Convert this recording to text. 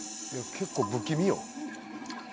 結構不気味よ。